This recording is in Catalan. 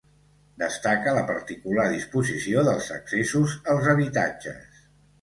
Destaca la particular disposició dels accessos als habitatges.